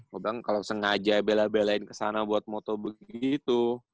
gue bilang kalau sengaja bela belain kesana buat moto begitu